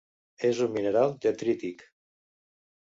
És un mineral detrític.